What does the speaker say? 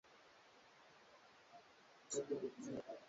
na kila kocha ana mtazamo wa